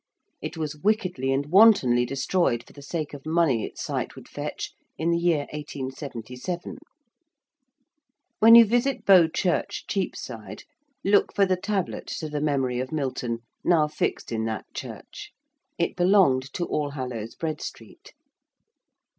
It was wickedly and wantonly destroyed for the sake of the money its site would fetch in the year 1877. When you visit Bow Church, Cheapside, look for the tablet to the memory of Milton, now fixed in that church. It belonged to All Hallows, Bread Street.